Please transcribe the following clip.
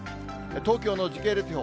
東京の時系列予報。